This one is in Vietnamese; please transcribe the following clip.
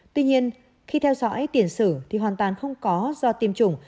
tuy nhiên khi theo dõi tiền sử thì hoàn toàn không có do tiêm chủng